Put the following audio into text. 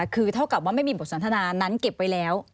คือเท่ากับว่าไม่มีบทสันทนานั้นเก็บไว้แล้ว